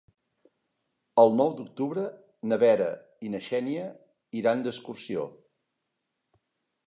El nou d'octubre na Vera i na Xènia iran d'excursió.